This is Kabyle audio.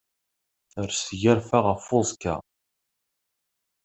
Ters tgerfa ɣef uẓekka.